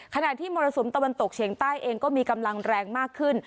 ขณะที่มรสุมตะวันตกเฉียงใต้เองก็มีกำลังแรงมากขึ้น